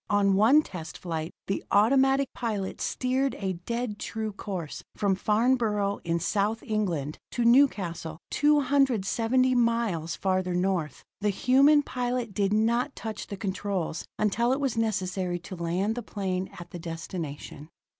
On one test flight the automatic pilot steered a dead true course from Farnborough in South England, to Newcastle, 270 miles farther north. The human pilot did not touch the controls until it was necessary to land the plane at the destination.